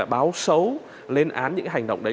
báo xấu lên án những hành động đấy